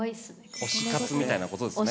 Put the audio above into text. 推し活みたいなことですね。